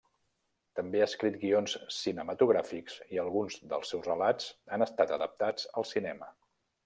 També ha escrit guions cinematogràfics i alguns dels seus relats han estat adaptats al cinema.